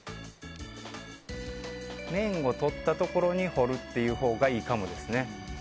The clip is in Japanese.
面を彫ったところに彫るというほうがいいかもですね。